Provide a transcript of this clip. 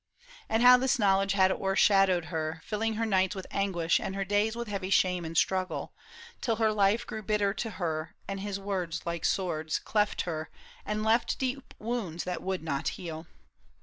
And how this knowledge had o'ershadowed her, Filling her nights with anguish and her days With heavy shame and struggle, till her life Grew bitter to her, and his words like swords Cleft her and left deep wounds that would not heal.